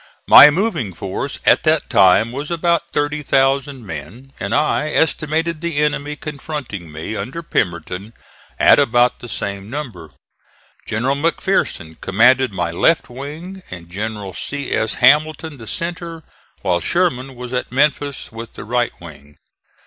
My moving force at that time was about 30,000 men, and I estimated the enemy confronting me, under Pemberton, at about the same number. General McPherson commanded my left wing and General C. S. Hamilton the centre, while Sherman was at Memphis with the right wing.